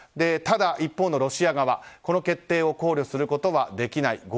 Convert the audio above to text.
ただ、一方のロシア側この決定を考慮することはできない。